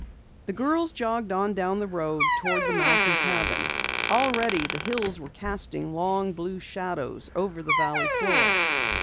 The girls jogged on down the road toward the Malcom cabin. Already the hills were casting long blue shadows over the valley floor.